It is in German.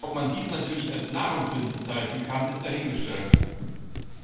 Ob man diese natürlich als Nahrungsmittel bezeichnen kann, ist dahingestellt.